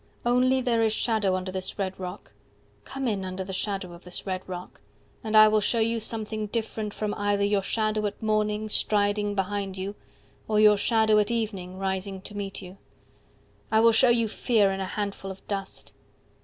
Only There is shadow under this red rock, 25 (Come in under the shadow of this red rock), And I will show you something different from either Your shadow at morning striding behind you Or your shadow at evening rising to meet you; I will show you fear in a handful of dust.